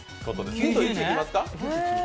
ヒント１いきますか。